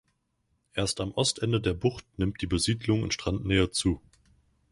Erst am Ostende der Bucht nimmt die Besiedlung in Strandnähe zu.